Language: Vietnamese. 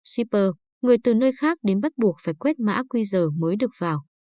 sipper người từ nơi khác đến bắt buộc phải quét mã quy giờ mới được vào